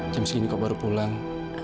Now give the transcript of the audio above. jam segini kok baru pulang